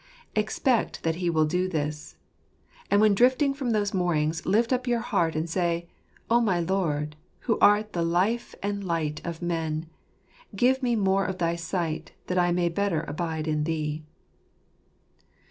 Expect that He will do this. And when drifting from these moorings lift up your heart and say, " O my Lord, who art the Life and Light of men, give me more of thy Spirit, that I may better abide in Thee."